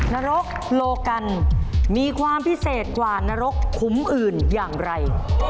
นรกโลกันมีความพิเศษกว่านรกขุมอื่นอย่างไร